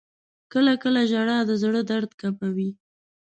• کله کله ژړا د زړه درد کموي.